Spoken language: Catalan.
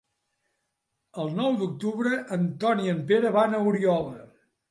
El nou d'octubre en Ton i en Pere van a Oriola.